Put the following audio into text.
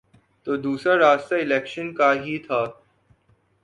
تو دوسرا راستہ الیکشن کا ہی تھا۔